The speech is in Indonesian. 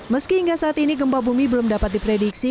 meski hingga saat ini gempa bumi belum dapat diprediksi